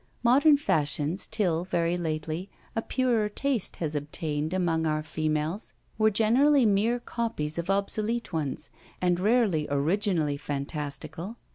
Modern fashions, till, very lately, a purer taste has obtained among our females, were generally mere copies of obsolete ones, and rarely originally fantastical.